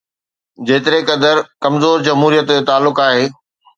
جيتري قدر ڪمزور جمهوريت جو تعلق آهي.